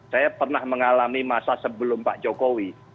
saya pernah mengalami masa sebelum pak jokowi